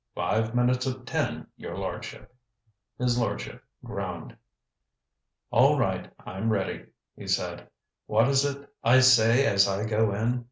Five minutes of ten, your lordship." His lordship groaned. "All right, I'm ready," he said. "What is it I say as I go in?